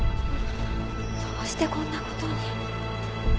どうしてこんな事に。